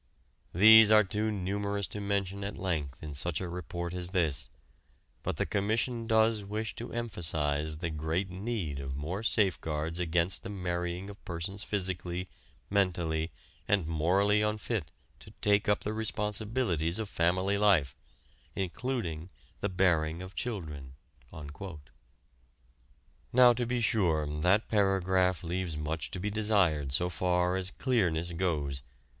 These are too numerous to mention at length in such a report as this, but the Commission does wish to emphasize the great need of more safeguards against the marrying of persons physically, mentally and morally unfit to take up the responsibilities of family life, including the bearing of children." Now to be sure that paragraph leaves much to be desired so far as clearness goes.